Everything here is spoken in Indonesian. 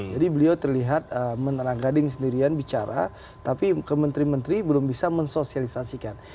jadi beliau terlihat meneranggading sendirian bicara tapi kementeri menteri belum bisa mensosialisasikan